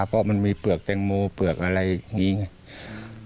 เพราะมันมีเปลือกแตงโมเปลือกอะไรอย่างนี้ไง